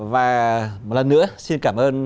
và một lần nữa xin cảm ơn